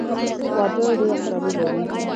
واده ډېره خوشحالي لري.